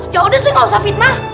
yaudah sih gak usah fitnah